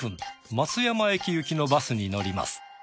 松山駅行きのバスに乗ります。